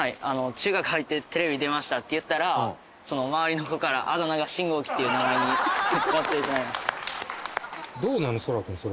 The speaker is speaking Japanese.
中学入って「テレビ出ました」って言ったら周りの子からあだ名が「信号機」っていう名前になってしまいました。